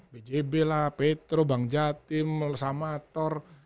bjb lah petro bang jatim melesa mator